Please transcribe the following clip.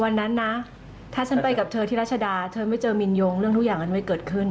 วันนั้นนะถ้าฉันไปกับเธอที่รัชดาเธอไม่เจอมินโยงเรื่องทุกอย่างมันไม่เกิดขึ้น